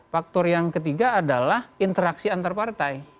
faktor yang ketiga adalah interaksi antar partai